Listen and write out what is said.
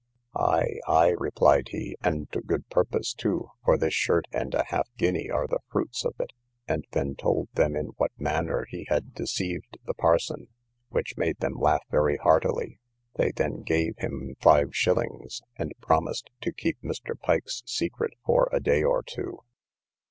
Ay, ay, replied he, and to good purpose too, for this shirt and a half guinea are the fruits of it; and then told them in what manner he had deceived the parson, which made them laugh very heartily; they then gave him five shillings, and promised to keep Mr. Pike's secret for a day or two.